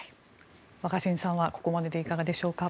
若新さんはここまででいかがでしょうか。